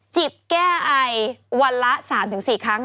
จิบแก้ไอวันละสามถึงสี่ครั้ง